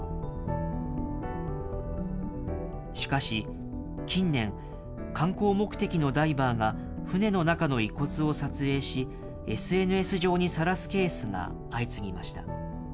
しかし、近年、観光目的のダイバーが船の中の遺骨を撮影し、ＳＮＳ上にさらすケースが相次ぎました。